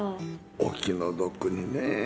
お気の毒にねえ。